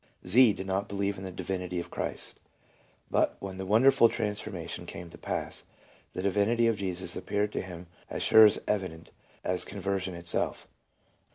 Z. did not believe in the divinity of Christ ; but when the wonderful transformation came to pass, the di vinity of Jesus appeared to him as sure and evident as conver sion itself.